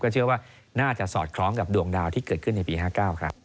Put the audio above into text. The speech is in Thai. เชื่อว่าน่าจะสอดคล้องกับดวงดาวที่เกิดขึ้นในปี๕๙ครับ